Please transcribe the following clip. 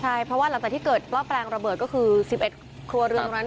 ใช่เพราะว่าหลังจากที่เกิดมอบแปลงระเบิดก็คือ๑๑หลังคาเรือน